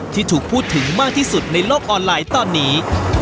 ที่ถูกพูดถึงมากที่สุดในโลกออนไลน์ตอนนี้